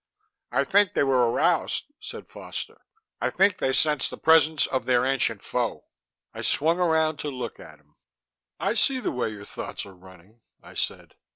"I think they were aroused," said Foster. "I think they sensed the presence of their ancient foe." I swung around to look at him. "I see the way your thoughts are running," I said.